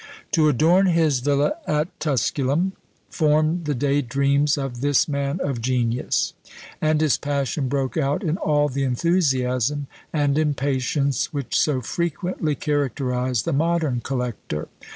To adorn his villa at Tusculum formed the day dreams of this man of genius; and his passion broke out in all the enthusiasm and impatience which so frequently characterise the modern collector.